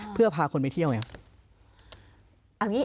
เพื่อพาคนไปเที่ยวอย่างนี้